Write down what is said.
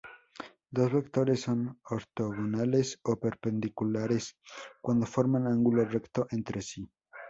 Dos vectores son ortogonales o perpendiculares cuando forman ángulo recto entre sí.